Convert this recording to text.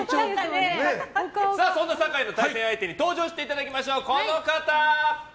そんな酒井の対戦相手に登場していただきましょう。